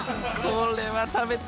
これは食べたい。